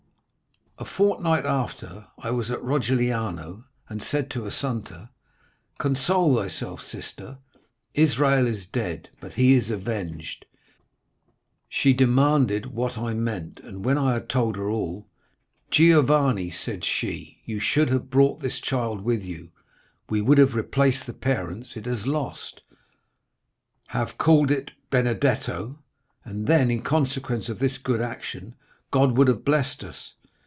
A fortnight after I was at Rogliano, and I said to Assunta: "'Console thyself, sister; Israel is dead, but he is avenged.' "She demanded what I meant, and when I had told her all,—'Giovanni,' said she, 'you should have brought this child with you; we would have replaced the parents it has lost, have called it Benedetto, and then, in consequence of this good action, God would have blessed us.